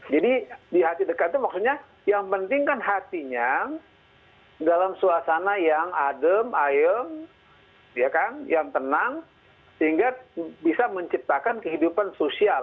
jadi di hati dekat itu maksudnya yang pentingkan hatinya dalam suasana yang adem ayem yang tenang sehingga bisa menciptakan kehidupan sosial